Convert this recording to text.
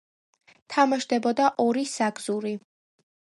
თამაშდებოდა ორი საგზური.